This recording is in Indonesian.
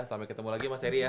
selamat ketemu lagi mas eri ya